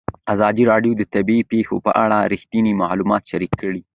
ازادي راډیو د طبیعي پېښې په اړه رښتیني معلومات شریک کړي.